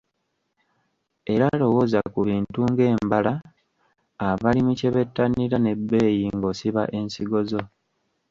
Era lowooza ku bintu ng’embala, abalimi kye bettanira n’ebbeeyi ng’osiba ensigo zo.